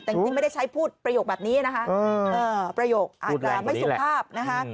แต่จริงไม่ได้ใช้พูดประโยคแบบนี้ประโยคอาจราไม่สุขภาพ